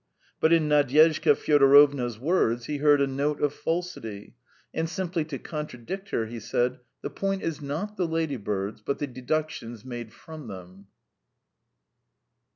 But in Nadyezhda Fyodorovna's words he heard a note of falsity, and simply to contradict her he said: "The point is not the ladybirds, but the deductions made from them."